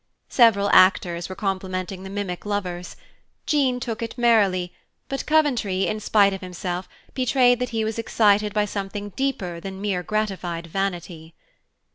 Several actors were complimenting the mimic lovers. Jean took it merrily, but Coventry, in spite of himself, betrayed that he was excited by something deeper than mere gratified vanity.